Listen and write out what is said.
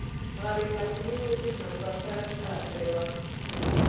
هغه د پرچمي مدیر همکار سره شخړه کړې وه